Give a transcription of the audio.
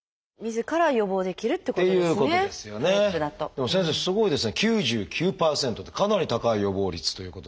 でも先生すごいですね９９％ってかなり高い予防率ということですが。